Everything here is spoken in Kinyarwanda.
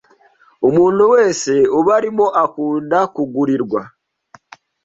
umuntu wese ubarimo akunda kugurirwa